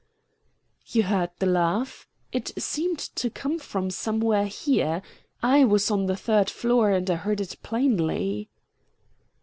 "You heard the laugh? It seemed to come from somewhere here. I was on the third floor and I heard it plainly."